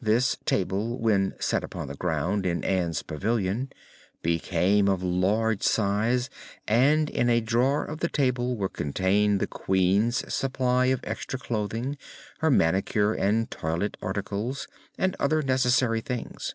This table, when set upon the ground in Ann's pavilion, became of large size, and in a drawer of the table was contained the Queen's supply of extra clothing, her manicure and toilet articles and other necessary things.